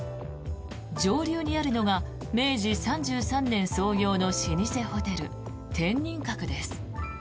上流にあるのが明治３３年創業の老舗ホテル、天人閣です。